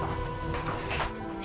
bismillah ya bu bos